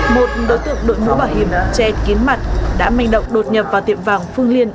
một đối tượng đội mũ bảo hiểm che kín mặt đã manh động đột nhập vào tiệm vàng phương liên